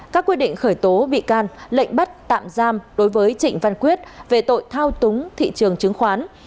các quyết định khởi tố bị can lệnh bắt tạm giam đối với trịnh văn quyết về tội thao túng thị trường chứng khoán